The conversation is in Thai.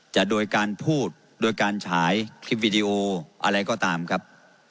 จะโดยการพูดโดยการฉายคลิปวิดีโออะไรก็ตามครับ